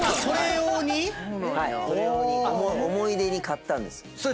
それ用に思い出に買ったんです。